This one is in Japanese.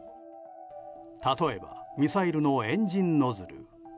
例えばミサイルのエンジンノズル。